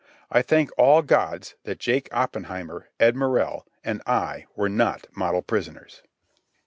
I thank all gods that Jake Oppenheimer, Ed Morrell, and I were not model prisoners.